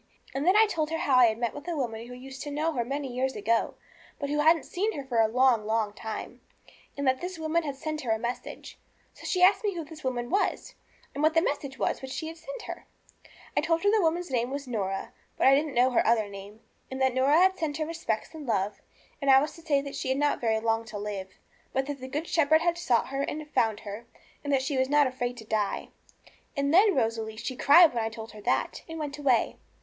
And then I told her how I had met with a woman who used to know her many years ago, but who hadn't seen her for a long, long time, and that this woman had sent her a message. So she asked me who this woman was, and what the message was which she had sent her. I told her that the woman's name was Norah, but I didn't know her other name, and that Norah sent her respects and her love, and I was to say that she had not very long to live, but that the Good Shepherd had sought her and found her, and that she was not afraid to die. And then, Rosalie, she cried when I told her that, and went away.